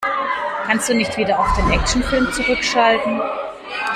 Kannst du nicht wieder auf den Actionfilm zurückschalten?